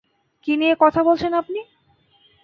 কী নিয়ে কথা বলছেন আপনি?